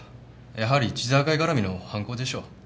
やはり一澤会絡みの犯行でしょう。